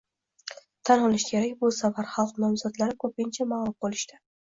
Tan olish kerak, bu safar xalq nomzodlari ko'pincha mag'lub bo'lishdi